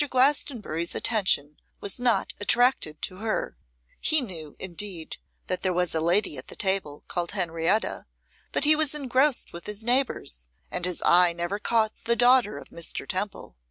Glastonbury's attention was not attracted to her: he knew, indeed, that there was a lady at the table, called Henrietta, but he was engrossed with his neighbours, and his eye never caught the daughter of Mr. Temple.